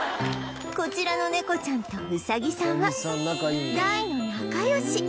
こちらのネコちゃんとウサギさんは大の仲良し！